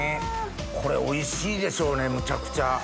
これおいしいでしょうねむちゃくちゃ。